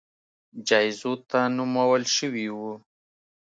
جایزو ته نومول شوي وو